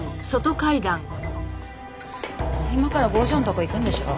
今から郷城んとこ行くんでしょ？